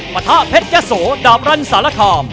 ปะทะเพชรยะโสดาบรันสารคาม